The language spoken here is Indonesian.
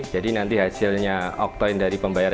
jadi nanti hasilnya octocoin dari pembayaran